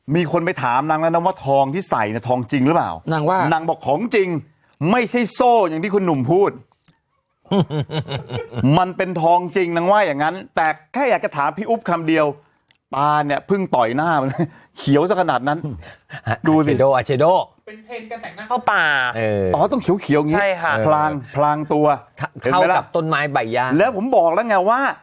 มีคนไปถามนางแล้วนะว่าทองที่ใส่เนี่ยทองจริงหรือเปล่านางว่านางบอกของจริงไม่ใช่โซ่อย่างที่คุณหนุ่มพูดมันเป็นทองจริงนางว่าอย่างงั้นแต่แค่อยากจะถามพี่อุ๊บคำเดียวตาเนี่ยเพิ่งต่อยหน้ามันเขียวสักขนาดนั้นดูสิโดอาเจโดเข้าป่าอ๋อต้องเขียวอย่างนี้ใช่ค่ะพลางพลางตัวเข้ากับต้นไม้ใบย่าแล้วผมบอกแล้วไงว่า